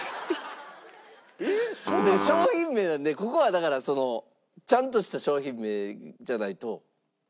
商品名なんでここはだからちゃんとした商品名じゃないと。